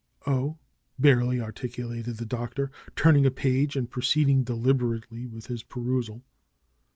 Oh!" barely articulated the Doctor, turning a page and proceeding deliberately with his perusal.